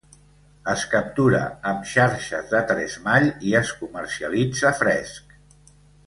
Es captura amb xarxes de tresmall i es comercialitza fresc.